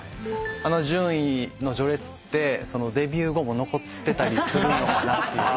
あの順位の序列ってデビュー後も残ってたりするのかなっていう。